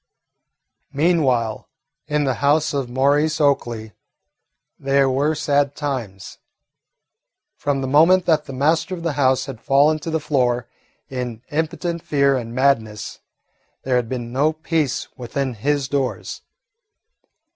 Meanwhile in the house of Maurice Oakley there were sad times. From the moment that the master of the house had fallen to the floor in impotent fear and madness there had been no peace within his doors.